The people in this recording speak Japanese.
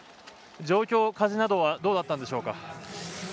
状況、風などはどうだったんでしょうか。